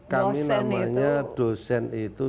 kami namanya dosen itu